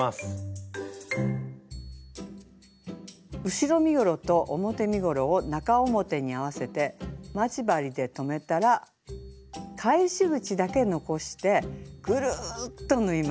後ろ身ごろと表身ごろを中表に合わせて待ち針で留めたら返し口だけ残してぐるっと縫います。